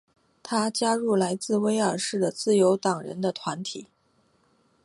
他加入来自威尔士的自由党人的团体。